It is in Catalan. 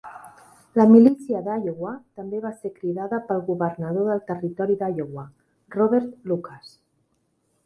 La milícia de Iowa també va ser cridada pel governador del territori d'Iowa, Robert Lucas.